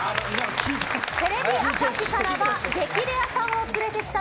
テレビ朝日からは激レアさんを連れてきた。